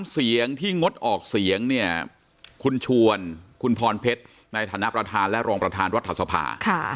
เสียงที่งดออกเสียงเนี่ยคุณชวนคุณพรเพชรในฐานะประธานและรองประธานรัฐสภา